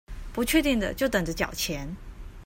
不確定的就等著繳錢